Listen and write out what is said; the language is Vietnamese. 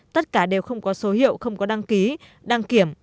tất cả đều không có số hiệu không có đăng ký đăng kiểm